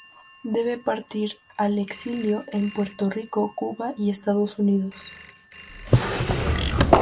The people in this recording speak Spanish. Debe partir al exilio en Puerto Rico, Cuba y Estados Unidos.